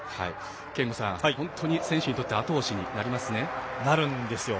憲剛さん、本当に選手にとってなるんですよ。